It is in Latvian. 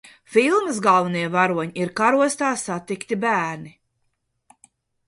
Filmas galvenie varoņi ir Karostā satikti bērni.